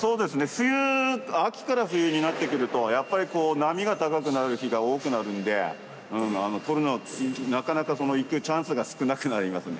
冬秋から冬になってくるとやっぱり波が高くなる日が多くなるんで取るのなかなか行くチャンスが少なくなりますね。